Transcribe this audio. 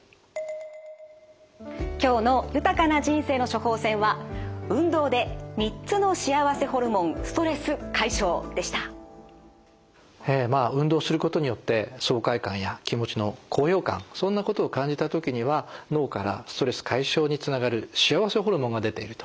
今日の「豊かな人生の処方せん」はまあ運動することによって爽快感や気持ちの高揚感そんなことを感じた時には脳からストレス解消につながる幸せホルモンが出ていると。